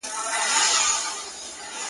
زما پر لاره برابر راسره مه ځه!.